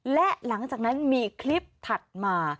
และหลังจากนั้นมีคลิปถัดมา